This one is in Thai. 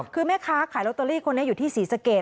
คือแม่ค้าขายลอตเตอรี่คนนี้อยู่ที่ศรีสะเกด